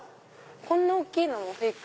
こんな大きいのもフェイク？